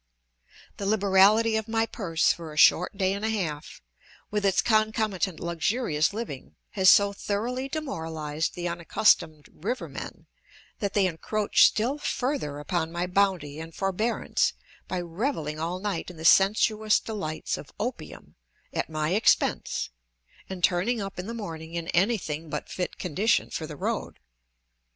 The liberality of my purse for a short day and a half, with its concomitant luxurious living, has so thoroughly demoralized the unaccustomed river men, that they encroach still further upon my bounty and forbearance by revelling all night in the sensuous delights of opium, at my expense, and turning up in the morning in anything but fit condition for the road.